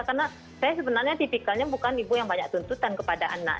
karena saya sebenarnya tipikalnya bukan ibu yang banyak tuntutan kepada anak